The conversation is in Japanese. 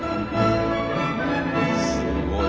すごい。